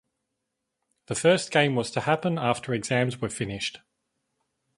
The first game was to happen after exams were finished.